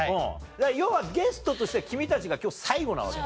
要はゲストとしては君たちが今日最後なわけだ。